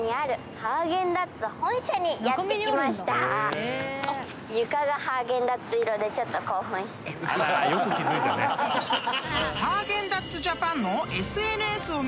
［ハーゲンダッツジャパンの］